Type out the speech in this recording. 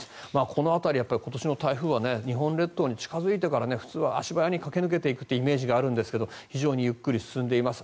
この辺り、今年の台風は日本列島に近付いてから普通は足早に駆け抜けていくというイメージがあるんですが非常にゆっくり進んでいます。